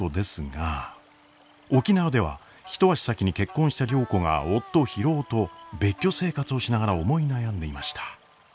沖縄では一足先に結婚した良子が夫博夫と別居生活をしながら思い悩んでいました。